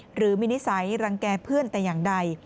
หรือมีนิสัยรังแก่เพื่อนแต่อย่างใด